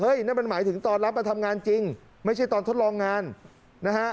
นั่นมันหมายถึงตอนรับมาทำงานจริงไม่ใช่ตอนทดลองงานนะฮะ